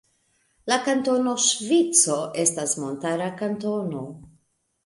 La Kantono Ŝvico estas montara kantono.